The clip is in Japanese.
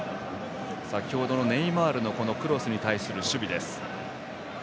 先ほどのネイマールのクロスに対しての守備です。